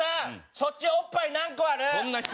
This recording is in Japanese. そっちおっぱい何個ある？